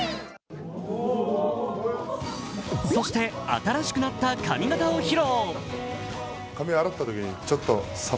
そして、新しくなった髪形を披露。